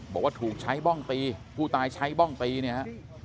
บอกว่าถูกใช้บ้องตีผู้ตายใช้บ้องตีเนี่ยฮะ